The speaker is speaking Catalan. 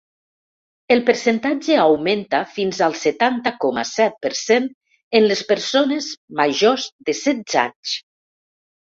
El percentatge augmenta fins al setanta coma set per cent en les persones majors de setze anys.